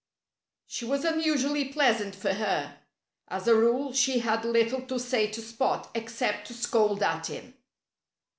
She was unusually pleasant, for her. As a rule she had little to say to Spot, except to scold at him.